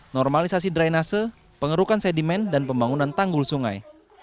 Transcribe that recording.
normalisasi drainase pengerukan sedimen dan pembangunan tanggul sungai